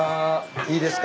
いいですか？